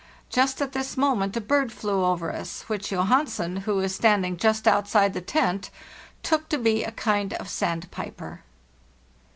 Just at this moment a bird flew over us, which Johansen, who is standing just outside the tent, took to be a kind of sandpiper.